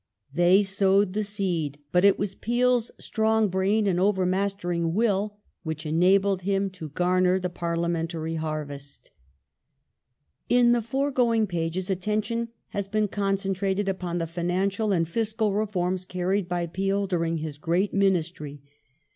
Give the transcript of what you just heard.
They sowed the seed ; but it was Peel's strong brain and over mastering will which enabled him to garner the parliamentary harvest. ^ In the foregoing pages attention has been concentrated upon Foreign the financial and fiscal reforms carried by Peel during his great P^^^'^y f"^ , domestic Ministry.